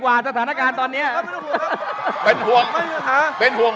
คุณจิลายุเขาบอกว่ามันควรทำงานร่วมกัน